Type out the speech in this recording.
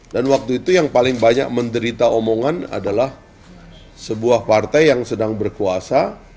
dan waktu itu yang paling banyak menderita omongan adalah sebuah partai yang sedang berkuasa